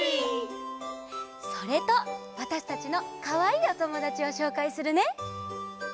それとわたしたちのかわいいおともだちをしょうかいするね。